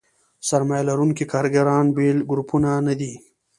سرمایه لرونکي کارګران بېل ګروپونه نه دي.